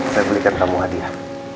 saya belikan kamu hadiah